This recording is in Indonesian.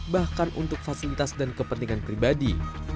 bahkan untuk fasilitas dan kepentingan pribadi